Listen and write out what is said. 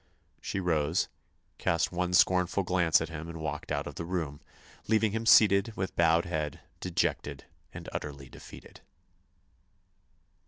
She rose, cast one scornful glance at him and walked out of the room, leaving him seated with bowed head, dejected and utterly defeated.